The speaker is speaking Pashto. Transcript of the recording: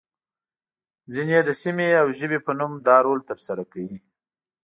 ځینې يې د سیمې او ژبې په نوم دا رول ترسره کوي.